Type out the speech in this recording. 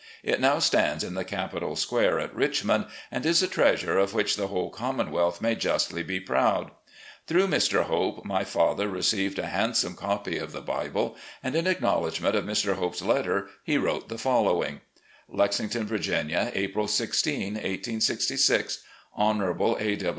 It now stands in the Capitol Square at Richmond, and is a treasure of which the whole Commonwealth may justly be proud. Through Mr. Hope, my father received a hand some copy of the Bible, and, in acknowledgment of Mr. Hope's letter, he wrote the following: "Lexington, Virginia, April i6, 1866. "Honourable A.